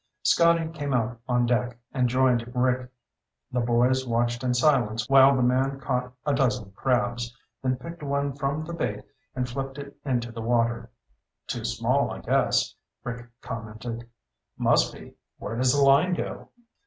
Scotty came out on deck and joined Rick. The boys watched in silence while the man caught a dozen crabs, then picked one from the bait and flipped it into the water. "Too small, I guess," Rick commented. "Must be. Where does the line go?"